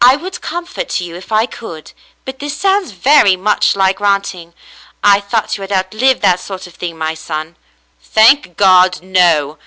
^'" "I would comfort you if I could, but this sounds very much like ranting. I thought you had outlived that sort of thing, my son." "Thank God, no.